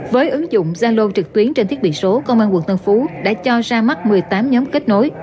với ứng dụng zalo trực tuyến trên thiết bị số công an quận tân phú đã cho ra mắt một mươi tám nhóm kết nối